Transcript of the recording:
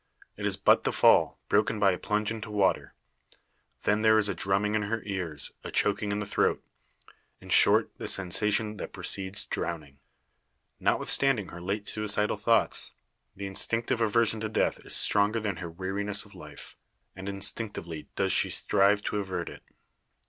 It is but the fall, broken by a plunge into water. Then there is a drumming in her ears, a choking in the throat; in short, the sensation that precedes drowning. Notwithstanding her late suicidal thoughts, the instinctive aversion to death is stronger than her weariness of life, and instinctively does she strive to avert it.